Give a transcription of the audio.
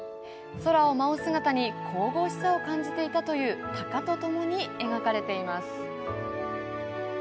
空を舞う姿に神々しさを感じていたというたかとともに描かれています。